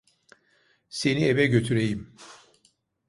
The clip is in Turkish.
Seni eve götüreyim.